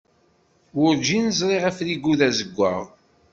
Werǧin ẓriɣ afrigu d azeggaɣ.